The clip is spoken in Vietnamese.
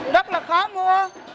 rất là khó mua